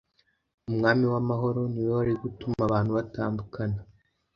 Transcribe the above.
Umwami w’Amahoro, ni we wari gutuma abantu batandukana.